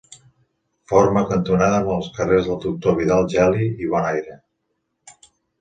Forma cantonada amb els carrers del Doctor Vidal Geli i Bon Aire.